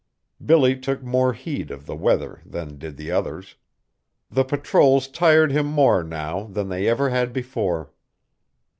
Billy took more heed of the weather than did the others. The patrols tired him more now than they ever had before.